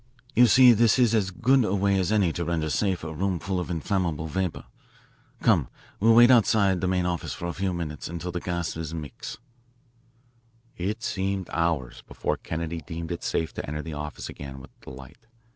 You see this is as good a way as any to render safe a room full of inflammable vapour. Come, we'll wait outside the main office for a few minutes until the gases mix. It seemed hours before Kennedy deemed it safe to enter the office again with a light.